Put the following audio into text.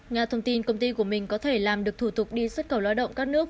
nga thông tin công ty của mình có thể làm được thủ tục đi xuất khẩu lao động các nước